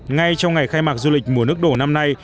ngay trong ngày khai mạc du lịch mùa nước đổ năm nay